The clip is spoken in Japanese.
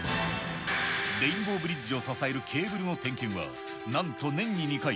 レインボーブリッジを支えるケーブルの点検は、なんと年に２回。